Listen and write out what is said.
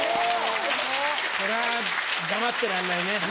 ・これは黙ってらんないね。